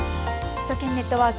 首都圏ネットワーク。